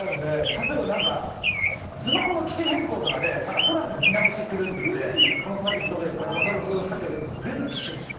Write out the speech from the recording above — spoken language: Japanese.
例えばスマホの機種変更とかでプランの見直しするっていってこのサービスどうですかって言われると全部つけちゃう。